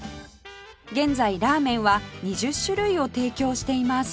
現在ラーメンは２０種類を提供しています